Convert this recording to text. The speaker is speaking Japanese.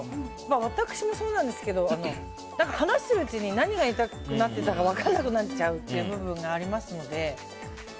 私もそうなんですけど話してるうちに何が言いたくなってたか分からなくなっちゃう部分がありますので。